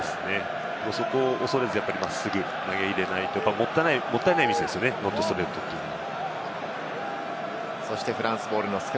そこを恐れず、真っすぐ入れないともったいないミスですよね、ノットストレートは。